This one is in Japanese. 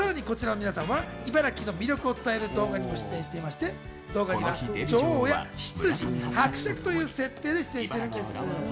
さらにはこちらの皆さんは茨城の魅力を伝える動画にも出演していて、動画には女王や執事、伯爵という設定で出演しているんです。